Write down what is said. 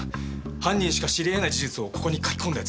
犯人しか知りえない事実をここに書き込んだ奴